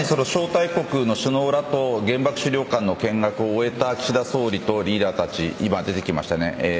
まさに招待国の首脳らと原爆資料館の見学を終えた岸田総理とリーダーたちが出てきました。